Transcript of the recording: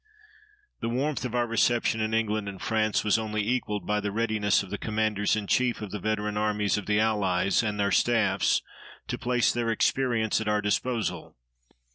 The warmth of our reception in England and France was only equalled by the readiness of the Commanders in Chief of the veteran armies of the Allies, and their staffs, to place their experience at our disposal.